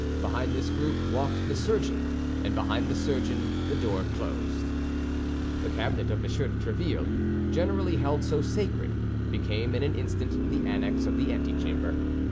Behind this group walked the surgeon; and behind the surgeon the door closed. The cabinet of M. de Tréville, generally held so sacred, became in an instant the annex of the antechamber.